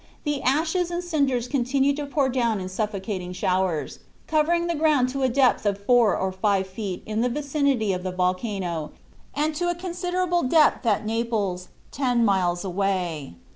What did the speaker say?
The ashes and cinders continued to pour down in suffocating showers, covering the ground to a depth of four or five feet in the vicinity of the volcano and to a considerable depth at Naples, ten miles away.